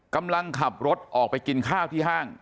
กำลังขับรถออกไปกินข้าวที่ห้าง